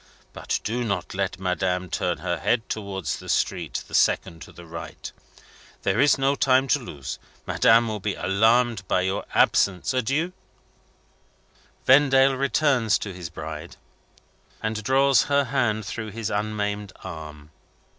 But do not let Madame turn her head towards the street the second to the right. There is no time to lose. Madame will be alarmed by your absence. Adieu!" Vendale returns to his bride, and draws her hand through his unmaimed arm.